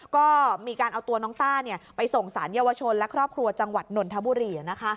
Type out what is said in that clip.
ก็มีการเอาตัวน้องต้าไปส่งสารเยาวชนและครอบครัวจังหวัดนนทบุรี